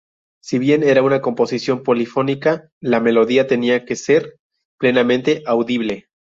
Si bien era una composición polifónica, la melodía tenía que ser plenamente audible.